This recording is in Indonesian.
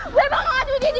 gue bakal lanjutin ini